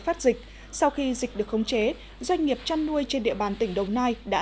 phát dịch sau khi dịch được khống chế doanh nghiệp chăn nuôi trên địa bàn tỉnh đồng nai đã